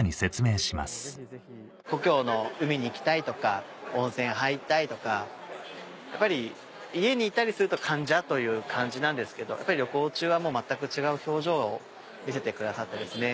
故郷の海に行きたいとか温泉入りたいとかやっぱり家にいたりすると患者という感じなんですけど旅行中は全く違う表情を見せてくださってですね。